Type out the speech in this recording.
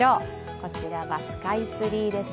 こちらはスカイツリーです。